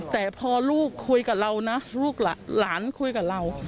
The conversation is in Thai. แต่พอลูกคุยกับเรานะลูกหลานคุยกับเรา